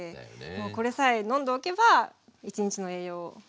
もうこれさえ飲んでおけば一日の栄養大丈夫。